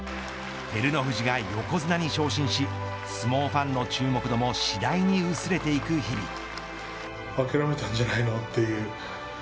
照ノ富士が横綱に昇進し相撲ファンの注目度も次第に薄れていく日々。